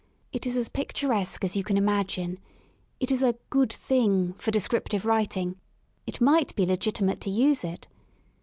It is as picturesque as you can imagine; it is a " good thing " for descrip tive writing, it might be legitimate to use it.